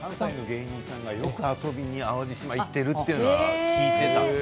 芸人さんがよく淡路島に行っているという話は聞いていたので。